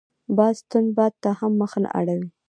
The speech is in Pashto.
باز تند باد ته هم مخ نه اړوي